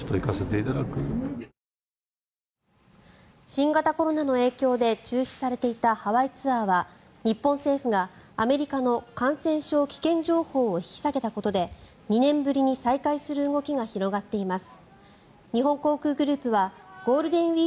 新型コロナの影響で中止されていたハワイツアーは日本政府がアメリカの感染症危険情報を引き下げたことで２年ぶりに再開する動きが広がっています。